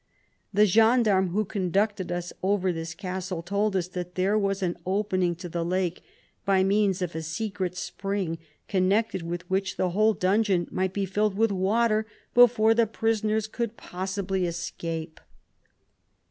The gendarme, who conducted us over this castle, told us that there was an opening to the lake, by means of a secret spring, connected with which the whole dungeon might be filled with water before the prisoners could possibly escape